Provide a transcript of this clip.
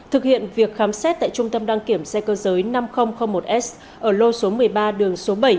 thực hiện việc khám xét tại trung tâm đăng kiểm xe cơ giới năm nghìn một s ở lô số một mươi ba đường số bảy